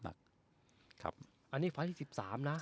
อันนี้ไฟล์ที่๑๓นะ